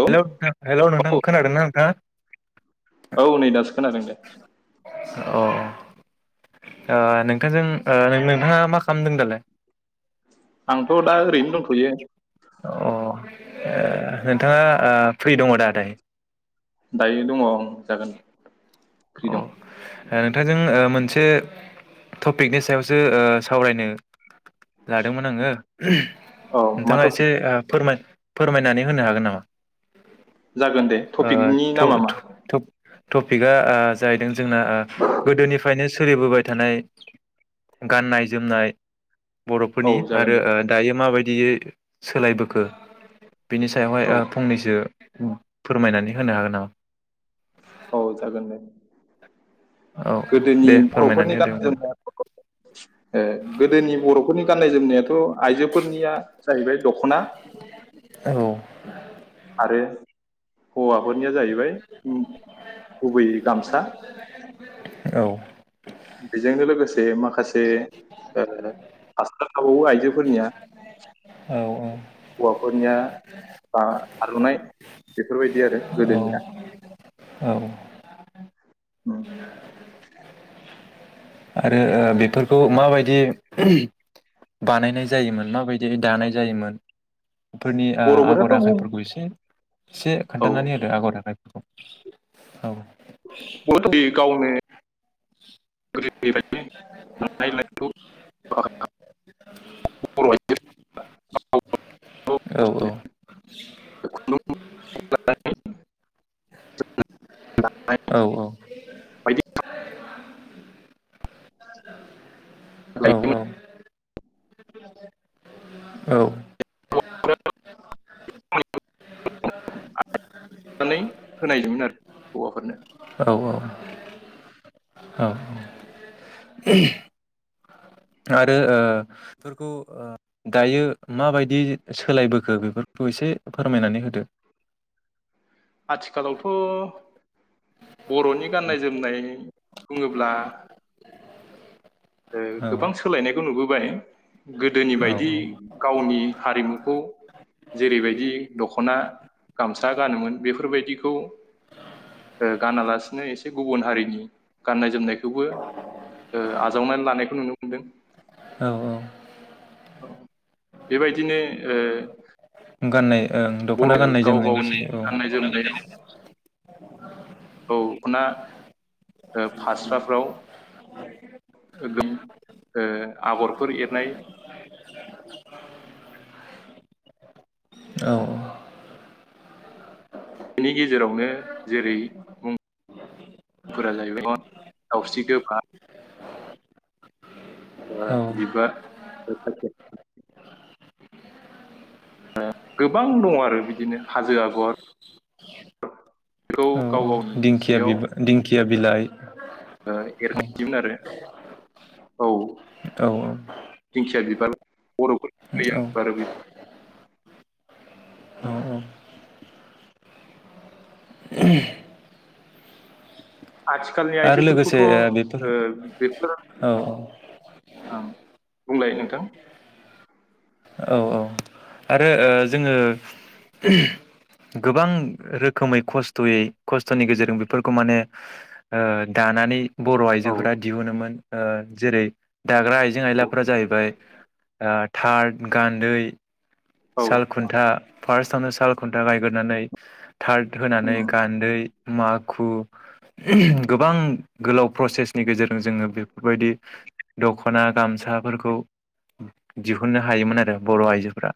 औ हेलौ नोंथां हेलौ नोंथां औ खोनादों ना नोंथां औ नै दासो खोनादों दे अ नोंथांजों नोंथाङा मा खालामदों दालाय आंथ दा ओरैनो दंथयो अ ओ नोंथाङा फ्रि दङ दा दायो दायो दङ जागोन फ्रि दं अ नोंथांजों मोनसे टपिकनि सायावसो सावरायनो लादोंमोन आङो औ मा नोंथाङा एसे टपिक फोरमाय फोरमायनानै होनो हागोन नामा जागोन दे टपिकनि नामा मा टपिका जाहैदों जोंना गोदोनिफ्रायनो सोलिबोबाय थानाय गाननाय जोमनाय औ बर'फोरनि जागोन आरो दे दायो माबायदि बिदियै सोलायबोखो बेनि सायावहाय औ फंनैसो फोरमायनानै होनो हागोन नामा औ जागोन दे औ गोदोनि दे फोरमायनानै बर'फोरनि होदो गाननाय होमबा जोमनाय गोदोनि बर'फोरनि गाननाय जोमनायाथ आइजोफोरनिया जाहैबाय दख'ना औ [inaudible] आरो हौवाफोरनिया जाहैबाय उम, गुबैयै गामसा औ बेजोंनो लोगोसे माखासे हासार थाबावो आइजोफोरनिया औ हौवाफोरनिया ब आर'नाय बेफोरबायदि आरो औ गोदोनिया औ आरो बेफोरखौ माबायदि बानायनाय जायोमोन माबायदि दानाय जायोमोन फोरनि आगर बर'फोराथ' बुं आखाइफोरखौ एसे एसे औ खोन्थानानै होदो आगर आखाइफोरखौ औ [unintelligible] गोदोनिफ्रायनो दानाय लुनायखौ बर' आइजो [unintelligible] औ औ [unintelligible] [unintelligible] [unintelligible] औ औ बायदि औ लायोमोन औ औ हौवाफोरा नानै होनाय जायोमोन आरो हौवाफोरनो औ औ औ आरो ओ बेफोरखौ ओ दायो माबायदि सोलायबोखो बेफोरखौ एसे फोरमायनानै होदो आथिखालावथ बर'नि गाननाय जोमनाय बुङोब्ला ओ औ गोबां सोलायनायखौ नुबो बाय गोदोनि औ बायदि गावनि हारिमुखौ जेरैबायदि दखना गाम सा गानोमोन बेफोरबायदिखौ ओ गानालासिनो ए से गुबुन हारिनि गाननाय जोमनाय खौबो ओ आजावनानै लानायखौ नुनो मोनदों औ औ बेबायदिनो ओ गाननाय ओं दखना बर' गाननाय गाव गावनि जोमनाय [unintelligible] औ गाननाय औ दखना ओ फास्राफ्राव गोदोनि ओ आगरफोर एरनाय औ बेनि गेजेरावनो जेरै मुंफोरा जाहैबाय दावस्रि गोबा बा औ बिबार गोबां दङ आरो बिदिनो हाजो आगरखौ औ दिंखिया बि दिंखिया बिलाइ [inaudible] एरगासिमोन आरो औ औ दिंखिया बिबार औ औ बर'फोर [unintelligible] औ [inaudible] आथिखालनि आरो आइजोफोरखौथ लोगोसे ओ बेफोर बेफोर औ ओ बुंलाय नोंथां औ औ आरो जोङो गोबां रोखोमै खस्थयै खस्थनि गेजेरजों बेफोरखौ माने दानानै बर' औ आइजोफोरा दिहुनोमोन जेरै दाग्रा आइजें आयलाफोरा जाहैबाय थार्ड गान्दै औ साल औ खुन्था फार्स्टआवनो साल खुन्टा गायग्रोनानै थार्द होनानै उम गान्दै माग खु गोबां गोलाव प्रसेसनि गेजेरजों जोङो बेफोरबायदि दखना गामसाफोरखौ दिहुननो हायोमोन आरो बर' आइजोफ्रा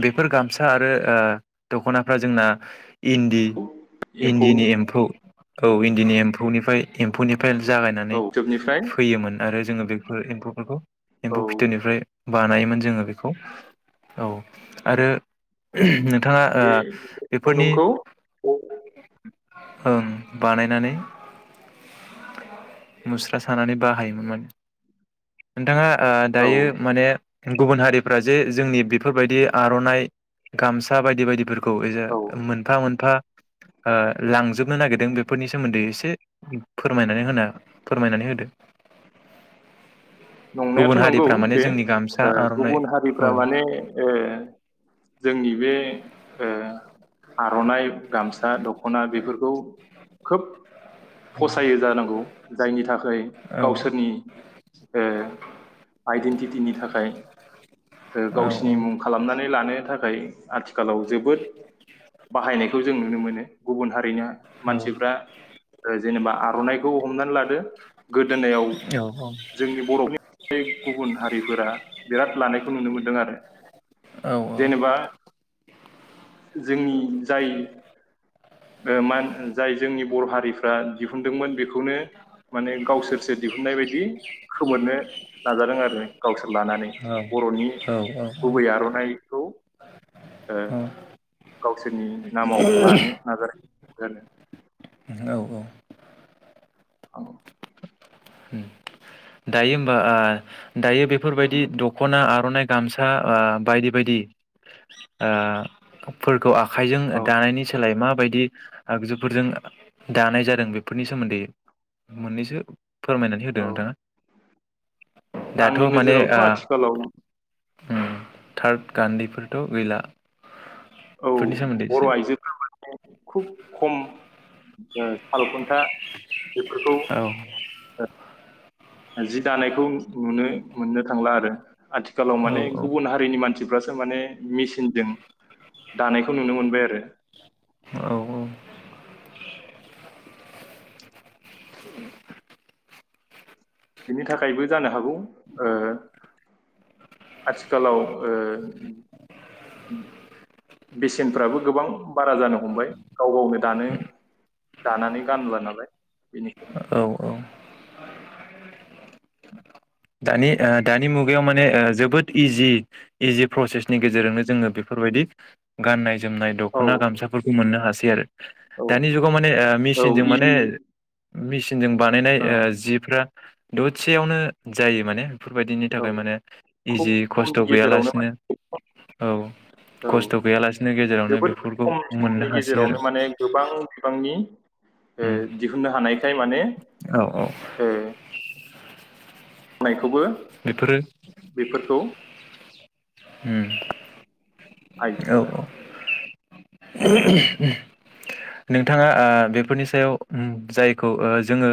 बेफोर गामसा आरो दखनाफ्रा जोंना इन्दि इन्दिनि एम्फौनि एम्फौ औ इन्डिनि एम्फौनिफ्राय एम्फौनि फ्राय जागायनानै औ फिथोबनिफ्राय फैयोमोन आरो जोङो। बेफोर एम्फौफोरखौ एम्फौ औ फिथोबनिफ्राय बानायोमोन जोङो बेखौ औ आरो नोंथाङा ओ बे बेफोरनि खुन्दुंखौ औ ओं बानायनानै मुस्रा सानानै बाहायोमोन नोंथाङा। ओ दायो औ माने गुबुन हारिफ्रा जे जोंनि बेफोरबायदि आर'नाइ गामसा बायदि बायदिफोरखौ खौ मोनफा मोनफा ओ लांजोबनो नागिरदों बेफोरनि सोमोन्दै एसे फोरमायनानै होना फोरमायनानै होदो। गुबुन नंनायाथ' नंगौ हारिफ्रा माने बे जोंनि गामसा आर'नाइ गुबुन औ हारिफ्रा माने जोंनि बे ओ आर'नाइ गामसा दख'ना बेफोरखौ खोब फसायो जानांगौ जायनि थाखाय औ गावसोरनि ओ आइडेन्टिटिनि थाखाय औ गावसिनि मुं खालामनानै लानो थाखाय। आथिखालाव जोबोद बाहायनायखौ जों नुनो मोनो गुबुन हारिनि औ मानसिफ्रा ओ जेनेबा आर'नायखौ हमनानै लादो। गोदोनायाव जोंनि बर'नि गुबुन हारिफोरा बिराद लानायखौ नुनो मोनदों आरो जेनेबा जोंनि जाय ओ मान जाय जोंनि बर' हारिफ्रा दिहुनदोंमोन। बे बेखौनो माने गावसोरसो दिहुननाय बायदि खोमोरनो नाजादों आरो गावसोर लानानै बर'नि गुबै आर'नाइखौ ओ गावसोरनि नामाव लानो नाजादों। औ औ। औ। दायो होमबा आ दायो बेफोरबायदि दख'ना आर'नाइ गामसा आ बायदि बायदि आ फोरखौ आखाइजों औ दानायनि सोलाय मा बायदि आगजुफोरजों दानाय जादों बेफोरनि सोमोन्दै मोननैसो फोरमायनानै होदो औ नोंथाङा? दाथ' आंनि माने नोजोरावथ' ओ आथिखालाव थार्द गान्दैफोरथ' गैला। औ बेफोरनि सोमोन्दै बर' एसे आइजोफोरा माने खुब खम ओ सालखुन्था बेफोरखौ औ ओ जि दानायखौ नुनो मोननो थांला आरो आथिखालाव औ माने गुबुन हारिनि मानसि मानसिफ्रासो माने मेसिनजों दानायखौ नुनो मोनबाय आरो। औ औ। [unintelligible] बिनि थाखायबो जानो हागौ ओ आथिखालाव ओ बेसेनफ्राबो गोबां बारा जानो हमबाय गाव गावनो दानो दानानै गानला नालाय। बेनिखायनो औ औ। दानि ओ दानि मुगायाव माने ओ जोबोद इजि इजि प्रसेसनि गेजेरजोंनो जोङो बेफोर बायदि गाननाय जोमनाय औ दख'ना गामसाफोरखौ मोननो हासै। सै आरो औ दानि जुगाव माने ओ औ मेचिनजों माने इजि मिस सिनजों बानायनाय ओ ओं जिफ्रा ददसेयावनो जायो माने। बेफोर बायदिनि औ थाखाय माने खुब इजि खस्थ' खमनि गेजेरावनो माने गैयालासिनो औ औ खस्थ' गैयालासिनो गेजेरावनो जोबोद बेफोरखौ खम मोननो समनि हासै आरो। गेजेरावनो माने गोबां बिबांनि ओ उम दिहुननो हानायखाय माने औ औ ओ [unintelligible] थेवबो बेफोरो बेफोरखौ होम औ आइजोफोरा औ [unintelligible] नोंथाङा ओ बेफोरनि सायाव ओम जायखौ ओ जोङो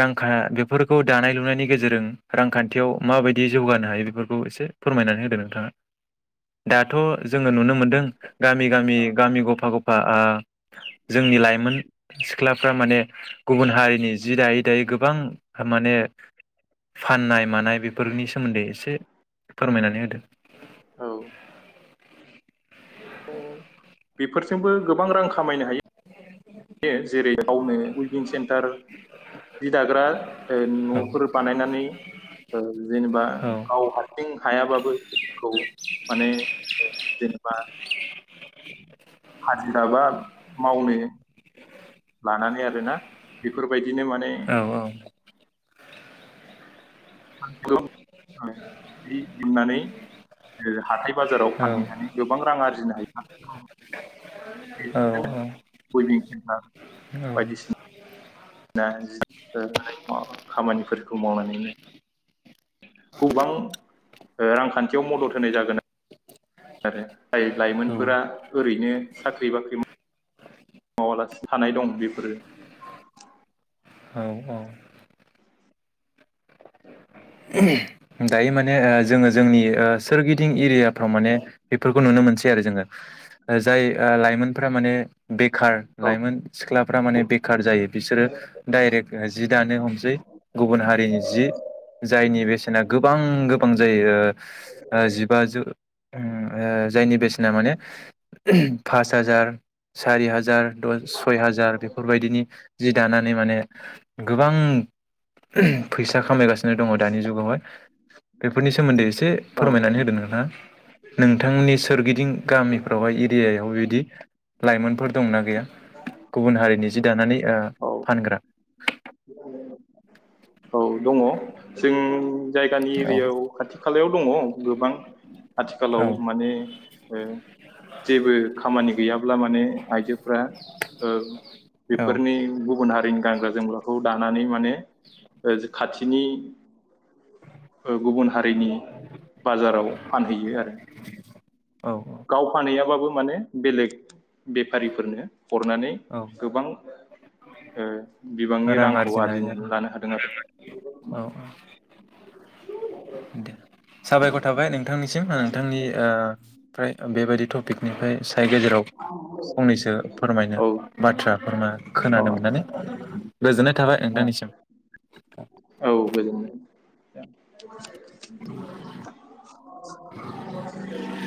रांखा बेफोरखौ दानाय लुनायनि गेजेरजों रांखान्थियाव माबायदि जौगानो हायो बेफोरखौ एसे फोरमायनानै होदो नोंथाङा दाथ' जोङो नुनो मोनदों गामि गामि गामि गफा ग बा ओ जोंनि लाइमोन सिख्लाफ्रा माने गुबुन हारिनि जि दायै दायै गोबां माने फाननाय मानाय बेफोर फोरनि सोमोन्दै एसे फोरमायनानै होदो औ बेफोरजोंबो गोबां रां खामायनो हायो बि जेरै गावनो उइभिं सेन्टार जि दाग्रा औ न'फोर बानायनानै ओ जेनेबा औ गाव हारसिं हायाबाबोखौ माने जेनेबा हाजिराबा मावनो लानानै आरोना बेफोरबायदि बिदिनो माने औ लनानै हाथाय [unintelligible] बाजाराव औ फानहैनानै गोबां रां आरजिनो हायो औ औ बेफोरजों बयनि [unintelligible] बायदिसिना खामानिफोरखौ मावनानै गोबां रांखान्थियाव मदद होनाय जागोन आरो जाय लाइमोनफोरा औ ओरैनो साख्रि बाख्रि मावालासे थानाय दं बेफोरो औ औ दायो माने जोङो जोंनि सोरगिदिं एरियाफ्राव माने बेफोरखौ नुनो मोनसै आरो जोङो जाय लाइमोनफ्रा माने बेखार लाइमोन सिख्ला माने जायो बिसोरो दाइरेक जि दानो हमसै गुबुन हारिनि जि जायनि बे बेसेना गोबां गोबां जायो जिबाजु जायनि बेसेना माने फास हाजार सारि हाजार जार सय हाजार बेफोरबायदिनि जि दानानै माने गोबां फैसा सा खामगासिनो दङ दानि जुगावहाय बेफोरनि सोमोन्दै एसे औ फोरमायनानै होदो नोंथाङा नोंथांमोननि सोरगिदिं गामिफ्रावहाय एरियायाव बिदि लाइमोनफोर दंना गैया गुबुन हारिनि जि दानानै औ फानग्रा औ दङ जों जायगानि औ एरियायाव खाथि खालायाव दङ गोबां औ आथिखालाव माने [unintelligible] जेबो खामानि गैयाब्ला माने आइजोफोरा बेफोरनि गुबुन हारि गानग्रा जोमग्राखौ दाना नै माने खाथिनि गुबुन हारिनि बाजाराव फानहैयो आरो औ गाव फानहैयाबाबो माने बेलेग बेफारिफोरनो हरनानै औ गोबां बिबांनि रां रांखौ आरजिनो हायो आरजिनानै आरो लानो हादों आरो औ दे साबायखर थाबाय नोंथांनिसिम नोंथांनि फ्राय ओ बेबायदि टपिकनिफ्राय साय गेजेराव फंनैसो फोरमायनो औ बाथ्रा फोरमा औ खोनानो मोननानै गोजोननाय थाबाय औ नोंथांनिसिम औ गोजोननाय [unintelligible]